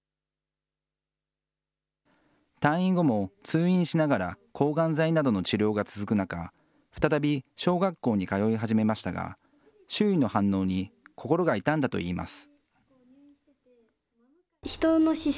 退院後も、通院しながら抗がん剤などの治療が続く中、再び小学校に通い始めましたが、周囲の反応に心が痛んだといいます。